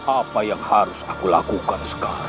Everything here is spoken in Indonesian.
apa yang harus aku lakukan sekarang